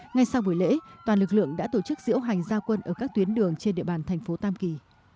ngay sau buổi lễ toàn lực lượng đã tổ chức diễu hành gia quân ở các tuyến đường trên địa bàn thành phố tam kỳ